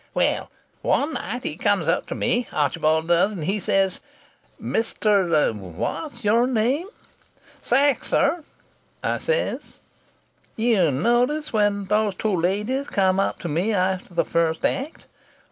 Well, one night he comes up to me, Archibald does, and he says: "'Mr. what's your name?' "'Sachs, sir,' I says. "'You notice when those two ladies come up to me after the first act.